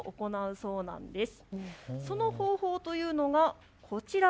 その方法というのがこちら。